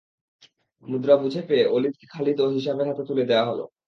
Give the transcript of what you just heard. মুদ্রা বুঝে পেয়ে ওলীদকে খালিদ ও হিশামের হাতে তুলে দেয়া হল।